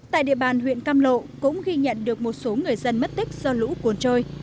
tại địa bàn huyện cam lộ cũng ghi nhận được một số người dân mất tích do lũ cuốn trôi